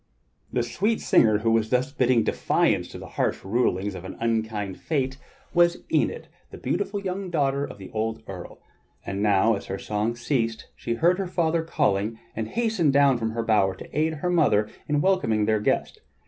The sweet singer who was thus bidding defiance to the harsh rulings of an unkind fate was Enid, the beautiful young daughter of the old earl; and now as her song ceased she heard her father calling, and hastened down from her bower to aid her mother in welcoming their guest.